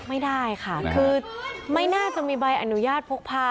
ไม่ได้ค่ะคือไม่น่าจะมีใบอนุญาตพกพา